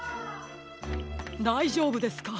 だいじょうぶですか？